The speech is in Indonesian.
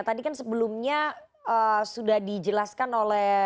tadi kan sebelumnya sudah dijelaskan oleh